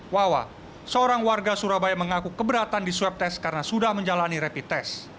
wawa seorang warga surabaya mengaku keberatan di swab test karena sudah menjalani rapid test